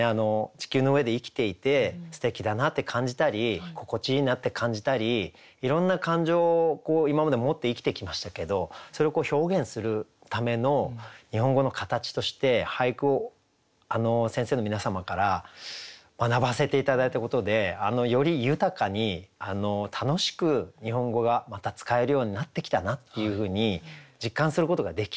地球の上で生きていてすてきだなって感じたり心地いいなって感じたりいろんな感情を今まで持って生きてきましたけどそれを表現するための日本語の形として俳句を先生の皆様から学ばせて頂いたことでより豊かに楽しく日本語がまた使えるようになってきたなっていうふうに実感することができて。